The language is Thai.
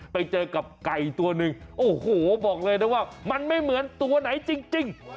ไปเจอกับไก่ตัวหนึ่งโอ้โหบอกเลยนะว่ามันไม่เหมือนตัวไหนจริง